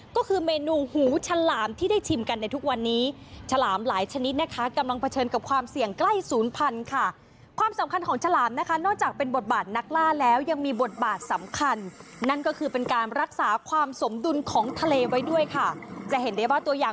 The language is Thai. ก็คือเมนูหูฉลามที่ได้ชิมกันในทุกวันนี้ฉลามหลายชนิดนะคะกำลังเผชิญกับความเสี่ยงใกล้ศูนย์พันธุ์ค่ะ